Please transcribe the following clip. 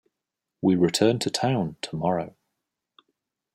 We return to town tomorrow.